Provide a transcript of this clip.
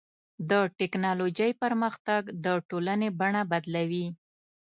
د ټکنالوجۍ پرمختګ د ټولنې بڼه بدلوي.